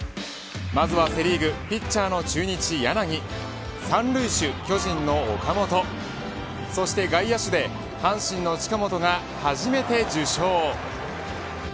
まずはセ・リーグピッチャーの中日、柳三塁手、巨人の岡本そして外野手で阪神の近本が初めて受賞。